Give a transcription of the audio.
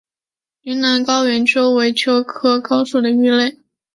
云南高原鳅为鳅科高原鳅属的鱼类。